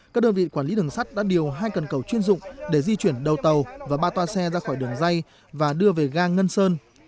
các đơn vị quản lý đường sắt đã điều hai cần cầu chuyên dụng để di chuyển đầu tàu và ba toa xe ra khỏi đường dây và đưa về ga ngân sơn